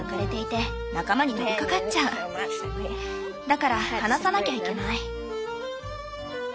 だから離さなきゃいけない。